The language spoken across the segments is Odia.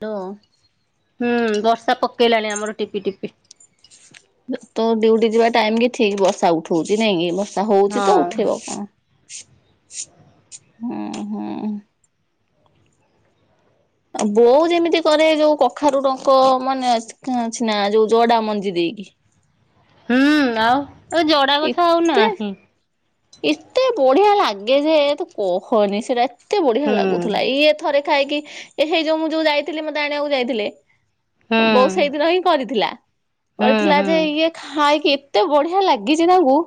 ତ ହୁଁ ବର୍ଷା ପକେଇଲାଣି ଆମର ଟିପି ଟିପି। ତୋ ଡିଉଟି ଯିବା ଟାଇମ କି ଠିକ ବର୍ଷା ଉଠଉଛିି ନାଇଁକି ଲୋ। ତା ହଉଛି ତ ହଁ ଉଠେଇବ କଣ? ହୁଁ, ହୁଁ। ବୋଉ ଯେମିତି କରେ ଯୋଉ କଖାରୁ ଡଙ୍କ ମନେ ଅଛି ନା ଯୋଉ ଯଡା ମଞ୍ଜିଦେଇ [unintelligible] ହୁଁ ଆଉ ଏଜଡା ଗଛ ଆଉ ଏତେ ନାହିଁ। ଆଗେଯେହ ତୁ କହନି ସେଟା ଏତେ ବଢିଆ ହୁଁ ଲାଗୁଥିଲା ଇଏ ଥରେ ଦେଖା ହେଇକି ଏହେ ହେଇ ଯୋଉ ମୁଁ ଯୋଉ ଯାଇଥିଲି, ମତେ ଆାଣିବାକୁ ଯାଇଥିଲେ, ହୁଁ ବୋଉ ସେଇଦିନ ହିଁ କରିଥିଲା। ହୁଁ କରିଥିଲା ହୁଁ ଯେ ଇଏ ଖାଇକି ଏତେ ବଢିଆ ଲାଗିଛି ତାଙ୍କୁ।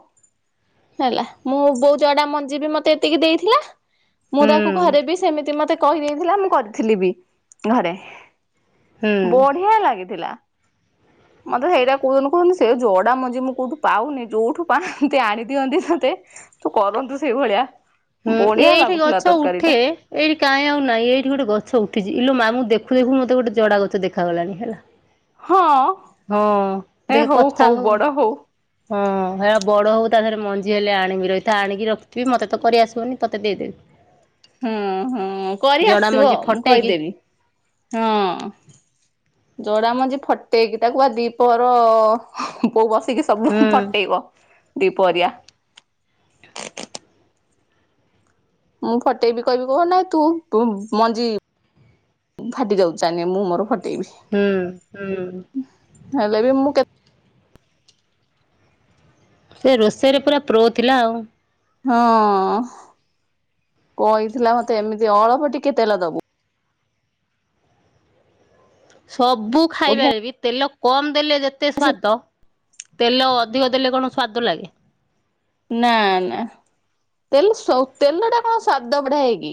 ହେଲା ମୋ ବୋଉ ଜଡା ମଞ୍ଜି ବି ମତେ ଏତିକି ଦେଇଥିଲା। ମୁଁ, ହୁଁ ତାକୁ ଘରେ ବି ସେମିତି ମତେ କହିଦେଇଥିଲା। ମୁଁ କରିଥିଲି ବି ଘରେ। ହୁଁ ବଢିଆ ଲାଗିଥିଲା। ମତେ ସେଇଟା କହୁନୁ କୁହନି ସେ ଯଡା ମଞ୍ଜି ମୁଁ କୋଉଠୁ ପାଉନି ଯୋଉଠୁ ପାଆନ୍ତି ଆଣି ଦିଅନ୍ତି ତତେ ତୁ କରନ୍ତୁ ସେଇ ଭଳିଆ। ହୁଁ ଏଇଠି ଗଛ ଉଠେ ଏଇଠି କାହିଁ ଆଉ ନାଇଁ ଏଇଠି ଗୋଟେ ଗଛ ଉଠିଛି। ଇଲୋ ମା ମୁଁ ଦେଖୁ, ଦେଖୁ ମତେ ଗୋଟେ ଜଡା ଗଛ ଦେଖାଗଲାଣି ହେଲା। ହଁ। ହଁ ଦେଖେ କଥା ହଉ ହଁ ହେରା ବଡ ହଉ ତା ଦେହରେ ମଞ୍ଜି ହେଲେ ଆଣିବି ରହିଥା ଆଣିକି ରଖିଥିବି, ମତେ ତ କରି ଆସିବନି ତତେ ଦେଇଦେବି। ହୁଁ, ହୁଁ କରି ଜଡା ଆସିବ ମଞ୍ଜି ମୁଁ ଫଟେଇକି କହିଦେବି। ହଁ ଜଡା ମଞ୍ଜି ଫଟେଇକି ତାକୁ ବା ଦିପର ବୋଉ ବସ ସେତିକି ସବୁ ହୁଁ ଫଟେଇବ ଦୀପରିଆ। ମୁଁ ଫଟେଇବି କହିବି କହିବ ନା ତୁ ତୁ ମଞ୍ଜି ଫାଟି ଯାଉଛି ଚାନେ ମୁଁ ମୋର ଫ ହୁଁ ହୁଁ ଟେଇବି ହେଲେ ବି ମୁଁ କେତେ ସେ ରୋଷେଇରେ ପୁରା ପ୍ରୋ ଥିଲା ଆଉ। ହଁ କହିଥିଲା ମତେ ଏମିତି ଅଳପ ଟିକେ ତେଲ ଦବୁ। ସବୁ ବଢିଆ ଖାଇବାରେ ବି ତେଲ କମ ଦେଲେ ଯେତେ ସେ ସ୍ୱାଦ ତେଲ ଅଧିକ ଦେଲେ କଣ ସ୍ଵାଦ ଲାଗେ? ନା, ନା ତେଲ ସୋ ତେଲ ଟା କଣ ସ୍ୱାଦ ବଢାଏକି?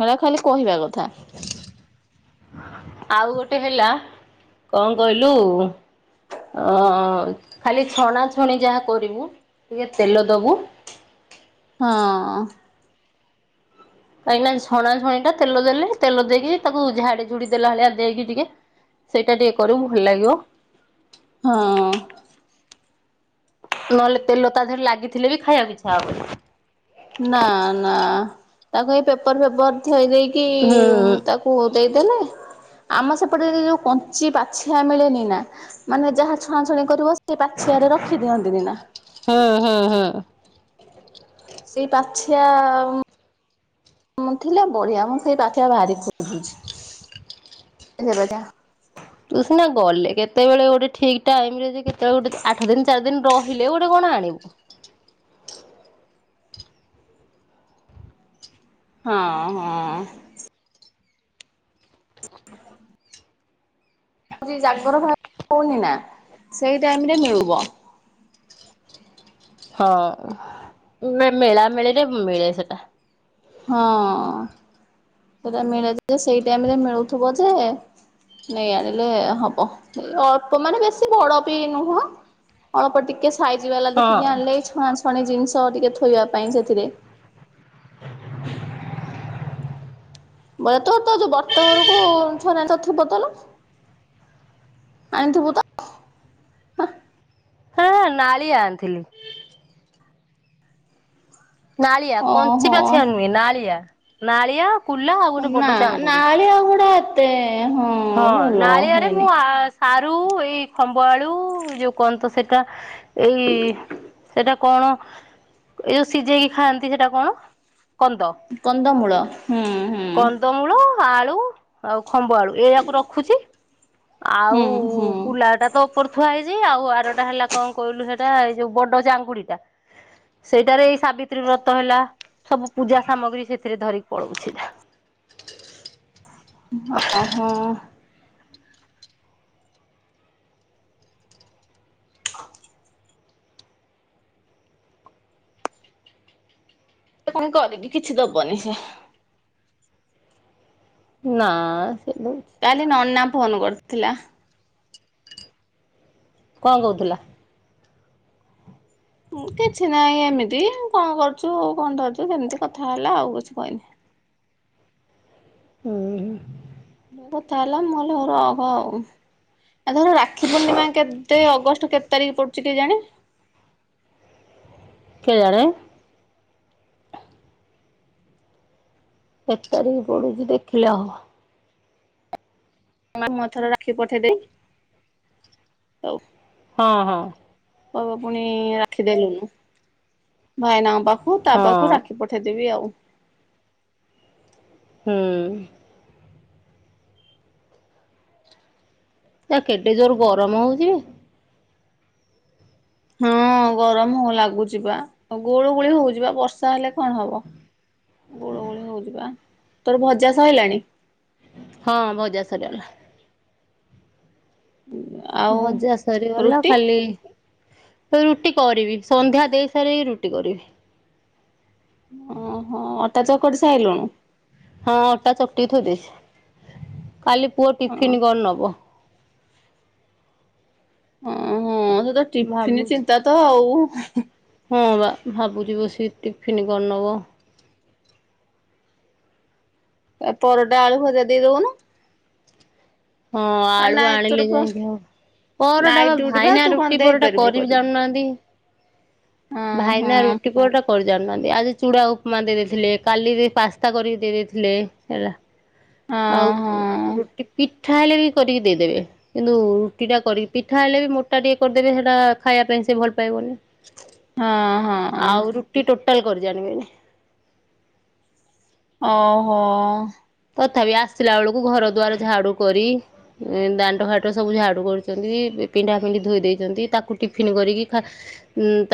ହେରା ଖାଲି କହିବା କଥା ଆଉ ଗୋଟେ ହେଲା କଣ କହିଲୁ? ଅ ଖାଲି ଛଣାଛଣି ଯାହା କରିବୁ। ଟିକେ ତେଲ ଦବୁ। ହଁ କାହିଁକି ନା ଛଣା ଛଣି ଟା ତେଲ ଦେଲେ। ତେଲ ଦେଇକି ତାକୁ ଝାଡି, ଝୁଡି ଦେଲା ଭଳିଆ ଦେଇକି, ଟିକେ ସେଇଟା ଟିକେ କରିବୁ, ଭଲ ଲାଗିବ। ହଁ। ନହେଲେ ତେଲ ତା ଦେହରେ ଲାଗିଥିଲେ ବି, ଖାଇବାକୁ ଇଚ୍ଛା ହବନି। ନା, ନା ତାକୁ ଏଇ ପେପର ଫେପର ଥୋଇଦେଇକି କି ତାକୁ ଦେଇଦେଲେ ଆମ ସେପଟେ ଯେ-ଯୋଉ କଞ୍ଚି ପାଛିଆ ମିଳେନି ନା, ମାନେ ଯାହା ଛଣାଛୁଣି କରିବ ସେଇ ପାଛିଆରେ ରଖି ଦିଅନ୍ତିନି ନା? ହୁଁ, ହୁଁ, ହୁଁ। ସେଇ ପାଛିଆ ଆଉ ମୁଁ ଥିଲେ ବଢ଼ିଆ। ମୁଁ ସେଇ ପାଛିଆ ଭାରି ଖୋଜୁଛି। ଦେ ବଟା ତୁ ସିନା ଗଲେ କେତେବେଳେ, ଗୋଟେ ଠିକ୍ ଟାଇମ୍ ରେ, ଯେ କେତେବେଳେ ଗୋଟେ, ଆଠ ଦିନ ଚାରି ଦିନ ରହିଲେ ଗୋଟେ କଣ ଆଣିବୁ। ହଁ ହଁ। ସେ ଯୋଉ ଜାଗର ହଉନି ନା, ସେଇ ଟାଇମ୍ ରେ ମିଳୁବ। ହଁ। ନାଇଁ ମେଳା ମେଳିରେ ମିଳେ ସେଟା। ହଁ। ସେଟା ମିଳେ, ସେଇ ଟାଇମ୍ ରେ ମିଳୁଥିବ ଯେ ନେଇ ଆଣିଲେ ହବ। ଏଇ ଅଳ୍ପ ମାନେ ବେଶୀ ବଡ଼ ବି ନୁହଁ। ଅଳପ ଟିକେ ସାଇଜି ବାଲା ହଁ। ଦେଖିକି ଆଣିଲେ, ଛଣାଛଣି ଜିନିଷ ଟିକେ ଥୋଇବା ପାଇଁ ସେଥିରେ। [inaudible] ବରେ ତୋ, ତ ଯୋଉ ବର୍ତ ଘରକୁ, ଛଣା ହେଇ ଥିବ ତୋର? ଆଣିଥିବୁ ତ? ହଁ ନାଳିଆ ଆଣିଥିଲି। ନାଳିଆ, କଞ୍ଚି ଓହୋ। ପାଛିଆ ନୁହେ। ନାଳିଆ, ନାଳିଆ। କୁଲା ଆଉ ଗୋଟେ ନା ବଡ ଚାଙ୍ଗୁଡି। ନାଳିଆ ଗୁଡା ଏତେ ହଁ ଭଲ ନାଳିଆରେ ହୁଏନି। ମୁଁ ସାରୁ ଏଇ ଖମ୍ବ ଆଳୁ, ଯୋଉ କଣ ତ ସେଇଟା, ଏଇ ସେଇଟା କଣ, ଏଇ ଯୋଉ ସିଝେଇକି ଖାଆନ୍ତି ସେଟା କଣ? କନ୍ଦ। କନ୍ଦମୂଳ ହୁଁ ହୁଁ କନ୍ଦମୂଳ, ଆଳୁ ଆଉ ଖମ୍ବ ଆଳୁ, ଏଇଆକୁ ରଖୁଛି। ଆଉ ହୁଁ ହୁଁ କୁଲା ଟା ତ ଉପରେ ଥୁଆ ହେଇଛି। ଆଉ ଆରଟା ହେଲା, କଣ କହିଲୁ ହେଲେ? ଟା, ଏଇ ଯୋଉ ବଡ ଚାଙ୍ଗୁଡିଟା। ସେଇଟାରେ ଏଇ ସାବିତ୍ରୀ ବ୍ରତ ହେଲା, ସବୁ ପୂଜା ସାମଗ୍ରୀ ସେଥିରେ ଧରିକି ପଳଉଚି ସିଧା। ହଁ ହଁ। କଣ କରିକି, କିଛି ଦବନି ସେ। ନା। ସେ ଦଉଛି କାଲି ନନା ଫୋନ କରିଥିଲା। କଣ କହୁଥିଲା? ହୁଁ, କିଛି ନାହିଁ, ଏମିତି କଣ କରୁଛୁ ଆଉ କଣ ଧରିଛୁ ଏମିତି କଥା ହେଲା। ଆଉ କିଛି କହିନି। ହୁଁ। କଥା ହେଲା। ମୁଁ କହିଲି ହଉ ରଖ। ଏଥର ରାକ୍ଷୀ ପୂର୍ଣ୍ଣିମା କେତେ, ଅଗଷ୍ଟ କେତେ ତାରିଖ ପଡୁ ଛି? କେଜାଣି। କେଜାଣି। କେତେ ତାରିକ୍ ପଡୁଛି ଦେଖିଲେ ହବ। ମା ମୁଁ ଏଥର ରାଖି ପଠେଇ ଦେଇ-ହଉ। ହଁ ହଁ। କହିବ ପୁଣି ରାଖି ଦେଲୁନୁ। ଭାଇନାଙ୍କ ପାଖକୁ ତା ପାଖକୁ ହଁ ରାକ୍ଷୀ ପଠେଇଦେବି ଆଉ। ହୁଁ। ଜା କେଡେ ଜୋର ଗରମ ହଉଛି ବେ? ହଁ। ହଁ ଗରମ ହ ଲାଗୁଚିପା ଗୁଳୁ ଗୁଳି ହଉଚିପା ବର୍ଷା ହେଲେ କଣ ହବ? ଗୁଳୁ ଗୁଳି ହଉଚିପା। ତୋର ଭଜା ସଇଲାଣି? ହଁ ଭଜା ସରିଗଲା। ଆଉ ଭଜା ସରିଗଲା ରୁଟି ଖାଲି ରୁଟି କରିବି ସନ୍ଧ୍ୟା ଦେଇ ସାରିକି ରୁଟି କରିବି। ଓହୋ ଅଟା ଚକଟି ସାଇଲୁଣୁ? ହଁ ଅଟା ଚକ୍ ଟି କି ଥୋଇଦେଇଛି। କାଲି ପୁଅ ହଁ ଟିଫିନ୍ କଣ ନବ? ହଁ ହଁ ସେତ ଟିଫିନ୍ ଭାବୁଛି। ଚିନ୍ତା ତ ଆଉ। ହଁ ବା ଭାବୁଛି ବସିକି ଟିଫିନ୍ କଣ ନବ? ଏ ପରଟା ଆଳୁ ଭଜା ଦେଇଦଉନୁ। ହଁ ଆଳୁ ତୋର ଆଣିିଲେ ପ ଯାଇଁକି ହବ। ପରଟା ନାଇଟ୍ ବା ଡ୍ୟୁଟି ଭାଇନା ତୁ କଣ ରୁଟି ପରଟା ଦେଇପାରିବୁ କରିବି କରିକି ଜାଣୁ ନାହାଁନ୍ତି। ହଁ ହଁ ଭାଇନା ରୁଟି ପରଟା କରି ଜାଣୁନାହାନ୍ତି ଆଜି ଚୁଡା ଉପମା ଦେଇଦେଇଥିଲେ କାଲିବି ପାସ୍ତା କରିକି ଦେଇ ଦେଇଇଥିଲେ ହେଲା। ହଁ ଆଉ ହଁ ରୁଟି ପି ପିଠା ହେଲେ ବି କରିକି ଦେଇଦେବେ କିନ୍ତୁ ରୁଟି ଟା କରିକି ପିଠା ହେଲେ ବି ମୋଟା ଟିକେ କରିଦେବେ ହେଟା ଖାଇବା ପାଇଁ ସେ ଭଲ ପାଇବନି। ହଁ ହଁ। ଟୋଟାଲ୍ କରି ଜାଣିବେନି। ଅହୋ। ତଥାପି ଆସିଲା ବେଳକୁ ଘର ଦ୍ୱାର ଝାଡୁ କରି ଦାଣ୍ଡଘାଟ ସବୁ ଝାଡୁ କରୁଛନ୍ତି। ପିଣ୍ଡା ଫିଣ୍ଡି ଧୋଇ ଦେଇଛନ୍ତି ତାକୁ ଟିଫିନି କରିକି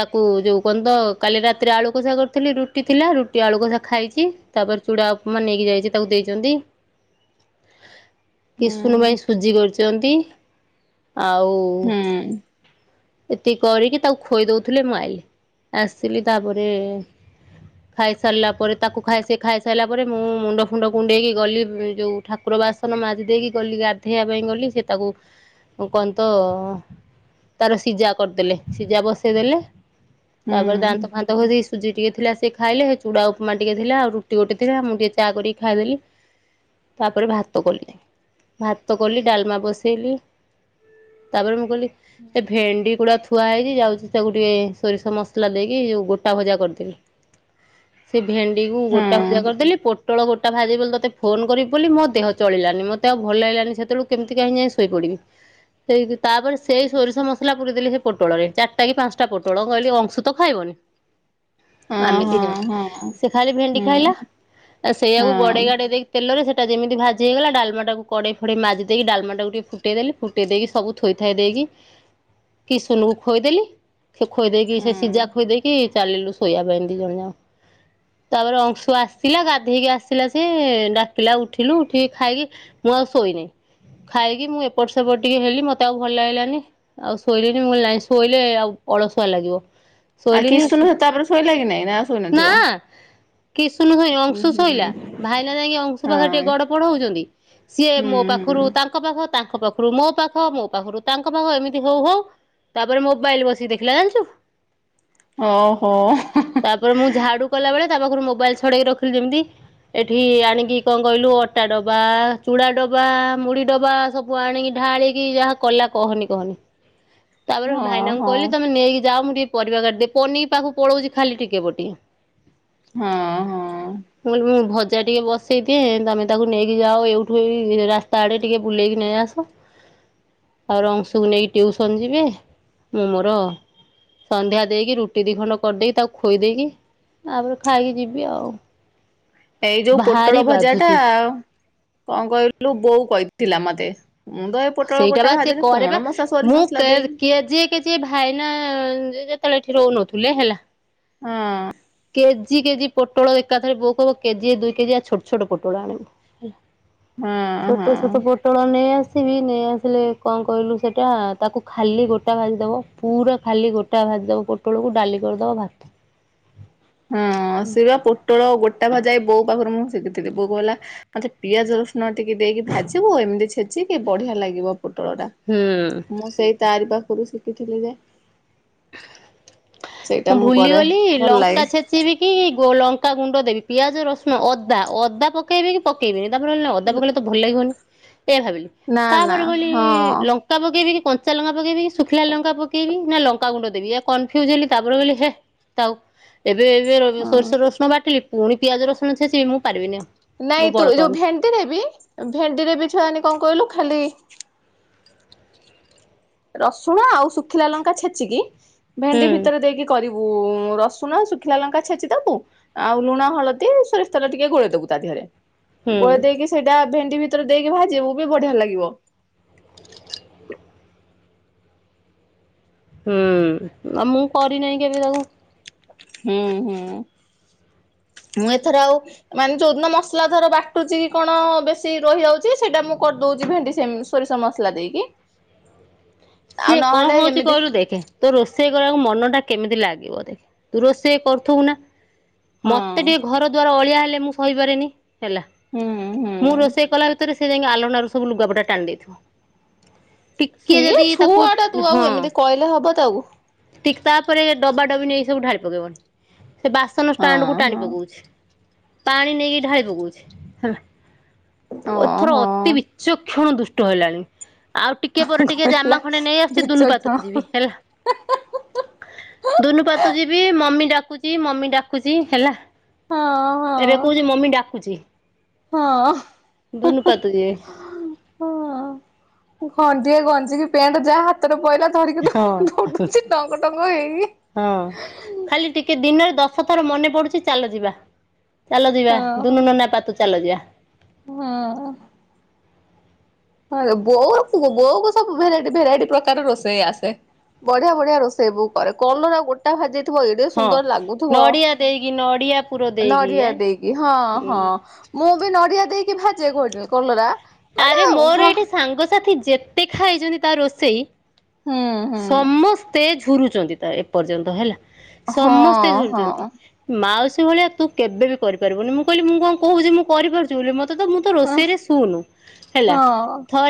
ତାକୁ ଯୋଉ କଣ ତ କାଲି ରାତିରେ ଯେ ଆଳୁ କଷା କରିଥିଲି ରୁଟି ଥିଲା ରୁଟି ଆଳୁ କଷା ଖାଇକି ତାପରେ ଚୁଡା ଉପମା ନେଇକି ଯାଇଛି ତାକୁ ଦେଇଛନ୍ତି ହୁଁ କିସୁନୁ ପାଇଁ ସୁଜି କରି ଛନ୍ତି ଆଉ ହୁଁ ଏତିକି କରିକି ତାକୁ ଖୋଇ ଦଉଥିଲେ ମୁ ଆଇଲି ଆସିଲି ତାପରେ ଖାଇସାରିଲା ପରେ ତାକୁ ଖାଇ ସେ ଖାଇସାରିଲା ପରେ ମୁଁ ମୁଣ୍ଡ ମୁଣ୍ଡ କୁଣ୍ଡେଇକି ଗଲି ଯୋଉ ଠାକୁର ବାସନ ମାଜି ଦେଇକି ଗଲି ଗାଧେଇବା ପାଇଁ ଗଲି ସେ ତାକୁ କଣ ତ ତାର ସିଝା କରିଦେଲେ ସିଝା ବସେଇଦେଲେ। ତାପରେ ଦାନ୍ତ ହୁଁ ଫାନ୍ତ ଘସିକି ସୁଜି ଟିକେ ଥିଲା। ସେ ଖାଇଲେ ସେ ଚୁଡା ଉପମା ଟିକେ ଥିଲା ଆଉ ରୁଟି ଗୋଟେ ଥିଲା ମୁଁ ଟିକେ ଚା କରିି ଖାଇଦେଲି ତାପରେ ଭାତ କଲି ଭାତ କଲି ଡାଲମା ବସେଇଲି। ତାପରେ ମୁଁ କହିଲି ସେ ଭେଣ୍ଡି ଗୁଡା ଥୁଆ ହେଇଛି ଯାଉଛି ତାକୁ ଟିକେ ସୋରିଷ ମସଲା ଦେଇକି ଯୋଉ ଗୋଟା ଭଜା କରିଦେବି ସେ ଭେଣ୍ଡିକୁ ଗୋଟା ଭଜା କରିଦେଲି ପୋଟଳ ଗୋ ଟା ଭାଜିବି ବୋଲି ତତେ ଫୋନ୍ କରିବି ବୋଲି ମୋ ଦେହ ଚଳିଲାନି ମତେ ଆଉ ଭଲ୍ ଲାଗିଲାନି ସେତେବେଳକୁ କେମିତି କାହିଁ ଯାଇ ଶୋଇପଡ଼ିବି। ସେଇକି ତାପରେ ସେଇ ସୋରିଷ ମସଲା ପୁରେଇ ଦେଲି ସେ ପୋଟଳରେ ଚାରିଟା କି ପାଞ୍ଚଟା ପୋଟଳ କହିଲି ଅଂଶୁ ତ ଖାଇବନି। ହ [inaudible] ଆମେ ଦି ଜଣ। ସେ ଖାଲି ଭେଣ୍ଡି ହଁ ଖାଇଲା ଆ ହଁ ସେଇଆକୁ ଗଡେଇ ଗାଡେଇ ଦେଇକି ତେଲ ରେ ସେଟା ଯେମିତି ଭାଜି ହେଇଗଲା ଡାଲମା ଟାକୁ କଡ଼େଇ ଫଡ଼େଇ ମାଜି ଦେଇକି ଡାଲମା ଟାକୁ ଟିକେ ଫୁଟେଇଦେଲି ଫୁଟେଇ ଦେଇକି ସବୁଥୋଇଥାଇ ଦେଇକି କିଶୁନୁ କୁ ଖୋଇଦେଲି ସେ ଖୋଇ ଦେଇକି ସେ ସିଝା ହଁ ଖୋଇ ଦେଇକି ଚାଲିଲୁ ଶୋଇବା ପାଇଁ ଦି ଜଣ ଯାକ ତାପରେ ଅଂଶୁ ଆସିଲା ଗାଧେଇକି ଆ ଆସିଲା ସେ ଡାକିଲା ଉଠିଲୁ ଉଠିକି ଖାଇକି ମୁଁ ଆଉ ଶୋଇନେଇ। ଖାଇକି ମୁଁ ଏପଟ ସେପଟ ଟିକେ ହେଲି ମତେ ଆଉ ଭଲ ଲାଗିଲାନି ଆଉ ଶୋଇଲିନି ମୁଁ କହିଲି ନାଇଁ ଶୋଇଲେ ଆଉ ଅଳସୁଆ ଲାଗିବ। ଆଉ ଶୋଇଲିନି କିଶ୍ ସମୟ ତାପରେ ଶୋଇଲା କି ନାଇଁ ନା ଆଉ ଶୋଇନଥିବ? [unintelligible] କିସ୍ ସମୟ ଶୋଇବ [unintelligible] ଉଁ ଅଂଶୁ ହୁଁ ଶୋଇଲା। ଭାଇନା ଯାଇକି ଅଂଶୁ ହଁ ପାଖରେ ଟିକେ ଗଡ ପଡ ହଉଛନ୍ତି ସିଏ ହୁଁ ମୋ ପାଖରୁ ହୁଁ ତାଙ୍କ ପାଖ ତାଙ୍କ ପାଖ [unintelligible] ଖରୁ ମୋ ପାଖ ମୋ ପାଖରୁ ତାଙ୍କ ପାଖ ଏମିତି ହଉ ହଉ ତାପରେ ମୋବାଇଲ ବସିକି ଦେଖିଲା ଜାଣିଛୁ ଓହୋ ତାପରେ ମୁଁ ଝାଡୁ କଲା ବେଳେ ତା ପାଖରୁ ମୋବାଇଲ ଛଡେଇକି ରଖିଲି ଯେମିତି ଏଠି ଆଣିକି କଣ କହିଲୁ ଅଟା ଡବା ଚୁଡ଼ା ଡବା ମୁଢ଼ି ଡବା ସବୁ ଆଣିକି ଢା ଳିକି ଯାହା କଲା କହନି କହନି [unintelligible] ତାପରେ ଭାଇନାଙ୍କୁ ହଁ କହିଲି ତମେ ନେଇକି ଯାଅ ମୁ ଟିକେ ପରିବା କାଟିଦେବି ପନିକି ପାଖକୁ ପଳଉଛି ଖାଲି ଟିକେ ବଟି ହଁ ହଁ। ଚା ଟିକେ ବସେଇ ଦିଏ ତମେ ତାକୁ ନେଇକି ଯାଅ ଏଇଠୁ ଏଇ ରାସ୍ତା ଆଡେ ଟିକେ ବୁଲେଇକି ନେଇ ଆସ। [inaudible] ଆଉ ରଙ୍ଗ୍ସୁ କୁ ନେଇକି ଟିଉସନ ଯିବେ ମୁଁ ମୋର ସନ୍ଧ୍ୟା ଦେଇକି ରୁଟି ଦି ଖଣ୍ଡ କରିଦେଇକି ତାକୁ ଖୋଇ ଦେଇକି ତାପରେ ଖାଇକି ଯିବି ଆଉ ଏଇ ଯୋଉ ପୋଟଳ ଭାରି ଭଜା ଟା ବାଧୁଛି କଣ କହିଲୁ, ବୋଉ କହିଥିଲା ମତେ ମୁଁ ତ ଏଇ ପୋଟଳ ସେଇଟା ଗୋଟା ବା ସିଏ ଭାଜିଲି କରେ କଣ ପା ମସଲା ସୋରିଷ ମୁଁ ମସଲା କେ ଦେଇକି କେଜିଏ କେଜିଏ ଭାଇନା ତେଳେ ଏଠି ରହୁନଥିଲେ ହେଲା ହଁ କେ କେଜି କେଜି ପୋଟଳ ଏକାଥରେ ବୋଉ କହିବ କେଜିଏ ଦୁଇ କେଜିଆ ଛୋଟ ଛୋଟ ପୋଟଳ ଆଣିବ। ହଁ ହଁ ଛୋଟ ଛୋଟ ପୋଟଳ ନେଇ ଆ [unintelligible] ବି ନେଇ ଆସିଲେ କଣ କହିଲୁ ସେଟା ତାକୁ ଖାଲି ଗୋଟା ଭାଜିଦବ ପୁରା ଖାଲି ଗୋଟା ଭା ଭାଜିଦେବ ପୋଟଳକୁ ଡାଲି କରିଦେବା ଭାତ [inaudible] ହଁ ସେବା ପୋଟଳ ଗୋଟା ଭଜା ବହୁତ ପାଖରୁ ମୁଁ ଶିଖି ଥିଲି ବୋଉ କହିଲା ମତେ ପିଆଜ ରସୁଣ ଟିକେ ଦେଇକି ଭାଜିବୁ ଏମିତି ଛେ ଚିକି ବଢିଆ ଲାଗିବ ପୋଟଳ ଟା ହୁଁ। ମୁଁ ସେଇ ତାରି ପାଖରୁ ଶିଖିଥିଲି ଯେ ସେଇଟା ମୁଁ କରେ ଭୁଲିଗଲି ଭଲ ଲାଗେ। ଲଙ୍କା ଛେ ଚିବି କି ଗ ଲଙ୍କା ଗୁଣ୍ଡ ଦେବି ପିଆଜ ରସୁଣ ଅଦା ଅଦା ପକେଇବି କି ପକେଇବିନି ତାପରେ ନା ଅଦା ପକେଇଲେ ତ ଭଲ ଲାଗିବନି। ଏ ଭାବିଲି ନା ନା ତାପରେ କହଲି ହଁ ଲଙ୍କା ପକେଇବି କି କଞ୍ଚା ଲଙ୍କା ପକେଇବି କି ଶୁଖିଲା ଲଙ୍କା ପକେଇବି ନା ଲଙ୍କା ଗୁଣ୍ଡ ଦେବି ୟା କନଫ୍ୟୁଜ୍ ହେଲି ତାପରେ କହିଲ ହେ ତାଉ ଏବେ ଏବେ ଏ ହଁ। ସୋରିଷର ରସୁଣ ବାଟିଲି ପୁଣି ପିଆଜ ରସୁଣ ଛେଚିବି ମୁ ପାରିବିନି ଆଉ ମୁଁ ନାଇଁ ତୁ ବଳ ଏ ଯୋଉ ପାଉନି ଭେଣ୍ଡିରେ ବି ଭେଣ୍ଡିରେ ବି ଛୁଆ ମାନେ କଣ କହିଲୁ ଖାଲି ରସୁଣ ଆଉ ଶୁଖିଲା ଲଙ୍କା ଛେଚିକି ହୁଁ ଭେଣ୍ଡି ଭିତରେ ଦେଇକି କରିବୁ ରସୁଣ ଶୁଖିଲା ଲଙ୍କା ଛେଚି ଦବୁ ଆଉ ଲୁଣ ହଳଦୀ ସୋରିଷ ତେଲ ଟିକେ ଗୋଳେଇ ଦବୁ ତା ଦେହରେ ହୁଁ ଗୋଳେଇ ଦେଇକି ସେଇଟା ଭେଣ୍ଡି ଭିତରେ ଦେଇକି ଭାଜିବୁ ବି ବଢିଆ ଲାଗିବ। ହୁଁ ଆଉ ମୁଁ କରିନାହିଁ କେବେ ତାକୁ ହୁଁ ହୁଁ। ମୁଁ ଏଥର ଆଉ ମାନେ ଯୋଉ ଦିନ ମସଲା ଧର ବାଟୁଛି କି କଣ ବେଶୀ ରହି ଯାଉଛି ସେଇଟା ମୁଁ କରିଦେଉ ଭେଣ୍ଡି ସେ ସୋରିଷ ମସଲା ଦେଇକି ଆଉ ସିଏ କଣ ନହେଲେ ହଉଛି ଏମିତି କହିଲୁ ଦେଖେ ତୋ ରୋଷେଇ କରିବାକୁ ମନ ଟା କେମିତି ଲାଗେ ରୋଷେଇ କରୁଥିବୁ ନା ହଁ ମତେ ଟିକେ ଘର ଦ୍ୱାର ଅଳିଆ ହେଲେ ହେଲେ ମୁଁ ସହି ପାରେନି ହେଲା ହୁଁ ହୁଁ ମୁଁ ରୋଷେଇ କଲା ଭିତରେ ସେ ଯାଇକି ଆଲଣା ରୁ ସବୁ ଲୁଗାପଟା ଟାଣି ଦେଇଥିବ ଟିକିଏ ସିଏ ଯଦି ତାକୁ ଛୁଆ ଟା ତୁ ଆଉ ହଁ ଏମିତି କହିଲେ ହବ ତାକୁ ଠିକ୍ ତାପରେ ଡବା ଡବି ନେଇ ସବୁ ଢାଳି ପକେଇବ ସେ ବାସନ ହଁ ଷ୍ଟାଣ୍ଡ କୁ ଟାଣି ହଁ। ପକଉଛି। ପାଣି ନେଇକି ଢାଳି ପକଉଛି ହେଲା ଏଥର ଓହୋ ଅତି ବିଚକ୍ଷଣ ଦୁଷ୍ଟ ହେଲାଣି ଆଉ ଟିକେ ପରେ ଟିକେ କହିଲା ଜାମା ଖଣ୍ଡେ ନେଇ ଆସୁଛି ଦୁନୁ ପାତ ବିଚକ୍ଷଣ ଯିବି ହେଲା। ଦୁନୁ ପାତୁ ଯିବି ମମି ଡା କୁଚି ମମି ଡାକୁଚି ହେଲା ହଁ ହଁ ଏବେ କହୁଛି ମମି ଡାକୁଛି। ହଁ ଦୁନୁ ପାତୁଛି ହଁ ଖନ୍ ଣ୍ଡିଏ ଗଞ୍ଜି କି ପ୍ୟାଣ୍ଟ ଯାହା ହାତେରେ ପଇଲା ଧରିକି ଦୋ ହଁ ଦୌଡୁଛି ଟଙ୍ଗ ଟଙ୍ଗ ହେଇକି। ହଁ। ଖାଲି ଟିକେ ଦିନରେ ଦଶ ଥର ମନେ ପଡୁଛି ଚାଲ ଯିବା ଚାଲ ଯିବା ଦୁନୁ ନନା ପାତୁ ଚାଲ ଯିବା। ହୁଁ। ହଁ ଯେ ବୋଉ ବୋଉ କୁ ସବୁ ଭେରାଇଟି ଭେରାଇଟି ପ୍ରକାର ରୋଷେଇ ଆସେ। ବଢିଆ ବଢିଆ ରୋଷେଇ ବୋଉ କରେ କଲରା ଗୋଟା ଭାଜି ଥିବ ଏଡେ ହଁ। ସୁନ୍ଦର ଲାଗୁଥିବ ନଡିଆ ଦେଇକି ନଡିଆ ପୁର ଦେଇକି ନଡିଆ ଏ ଦେଇକି ହଁ ହଁ ମୁଁ ବି ନଡିଆ ଦେଇକି ଭାଜେ ଗୋ କଲରା ଆରେ ମାନେ ମୋର ହୁଁ ଏଇଠି ସାଙ୍ଗସାଥି ଯେତେ ଖାଇଛନ୍ତି ତା ରୋଷେଇ ସମସ୍ତେ ଝୁରୁଛନ୍ତି ତା ଏପର୍ଯ୍ୟନ୍ତ ହେଲା। ହଁ ସମସ୍ତେ ଝୁରୁଛନ୍ତି ହଁ ମାଉଶ୍ ସେ ଭଳିଆ ତୁ କେବେ ବି କରିପାରିବୁନି ମୁଁ କହିଲି ମୁଁ କଣ କହୁଛି ମୁଁ କରିପାରୁଛି ବୋଲି ମୋତ ତୁ ତ ମୁଁ ତ ରୋଷେଇ ରେ ଶୁନୁ ହେଲା ହଁ। ଥ